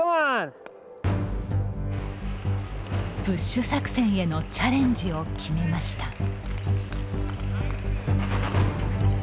プッシュ作戦へのチャレンジを決めました。